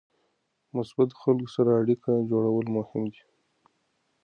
مثبتو خلکو سره اړیکه جوړول مهم دي.